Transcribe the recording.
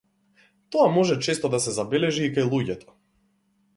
Тоа може често да се забележи и кај луѓето.